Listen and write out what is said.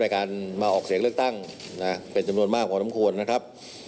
การมาออกเสียงเลือกตั้งเป็นจำนวนมากพอทำควรนะครับ